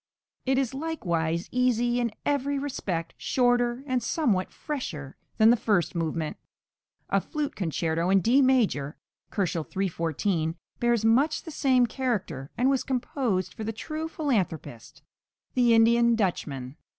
It is likewise easy in every respect, shorter, and somewhat fresher than the first movement. A flute concerto in D major (314 K.) bears much the same character, and was composed for the "true philanthropist, the Indian Dutchman."